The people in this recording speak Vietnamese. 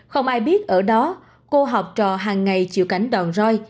không ai biết ở đó cô học trò hàng ngày chịu cảnh đòn roi